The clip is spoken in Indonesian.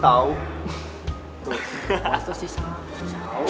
tuh waktu sisal